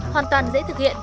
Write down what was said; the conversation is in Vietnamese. hoàn toàn dễ thực hiện